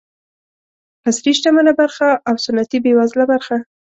عصري شتمنه برخه او سنتي بېوزله برخه.